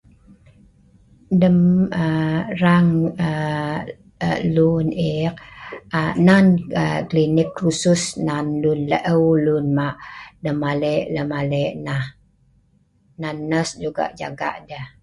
lem rang aa lun eek aa nan aa klinik khusus nan lun laeu ma aa ma lemale' nah, nan nurse juga jaga deh